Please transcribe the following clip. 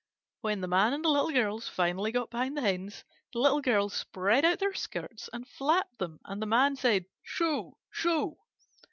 When the Man and the Little Girls finally got behind the Hens, the Little Girls spread out their skirts and flapped them and the Man said, "Shoo! Shoo!"